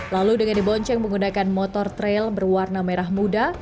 lalu dengan dibonceng menggunakan motor trail berwarna merah muda